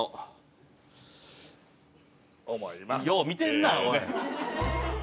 よう見てんなおい。